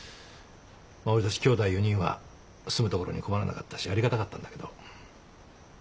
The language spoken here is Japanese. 俺たちきょうだい４人は住むところに困らなかったしありがたかったんだけど。